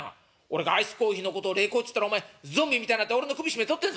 俺がアイスコーヒーのことを冷コーっつったらお前ゾンビみたいなって俺の首絞めとってんぞ」。